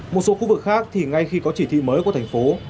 một số khu vực khác thì ngay khi có chỉ thị mới của thành phố